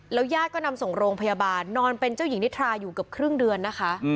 ยาดก็นำส่งโรงพยาบาลนอนเป็นเจ้าหญิงนิทราอยู่เกือบครึ่งเดือนนะคะ